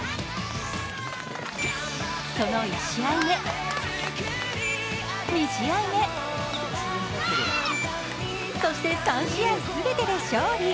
その１試合目、２試合目、そして、３試合目全てで勝利。